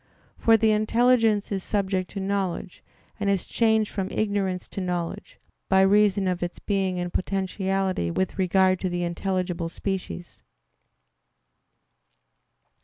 For the intelligence is subject to knowledge, and is changed from ignorance to knowledge, by reason of its being in potentiality with regard to the intelligible species.